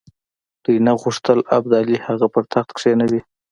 دوی نه غوښتل ابدالي هغه پر تخت کښېنوي.